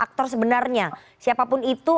aktor sebenarnya siapapun itu